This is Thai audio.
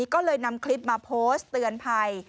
ก็เลยนำคลิปมาโพสต์เตือนภัย